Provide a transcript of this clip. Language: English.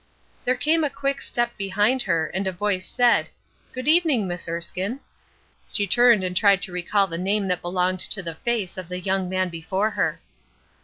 There came a quick step behind her, and a voice said, "Good evening, Miss Erskine." She turned and tried to recall the name that belonged to the face of the young man before her.